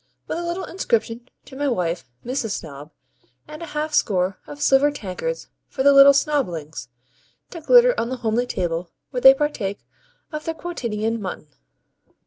with a little inscription to my wife, Mrs. Snob; and a half score of silver tankards for the little Snoblings, to glitter on the homely table where they partake of their quotidian mutton?